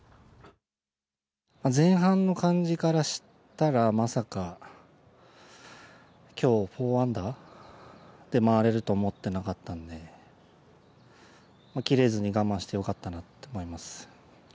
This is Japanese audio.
前半の感じからしたら、まさか今日４アンダーで回れると思ってなかったんで切れずに我慢して良かったなと思います。